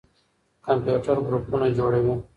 کمپيوټر ګروپونه جوړوي.